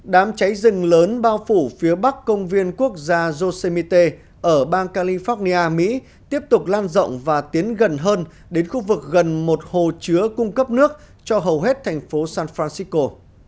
đám cháy rừng lớn bao phủ phía bắc công viên quốc gia josemit ở bang california mỹ tiếp tục lan rộng và tiến gần hơn đến khu vực gần một hồ chứa cung cấp nước cho hầu hết thành phố san francisco